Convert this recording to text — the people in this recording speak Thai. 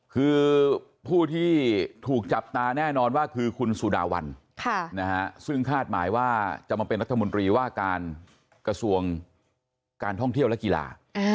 คือผู้ที่ถูกจับตาแน่นอนว่าคือคุณสุดาวันซึ่งคาดหมายว่าจะมาเป็นรัฐมนตรีว่าการกระทรวงการท่องเที่ยวและกีฬา